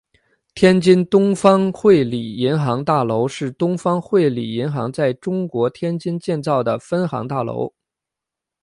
天津东方汇理银行大楼是东方汇理银行在中国天津建造的分行大楼。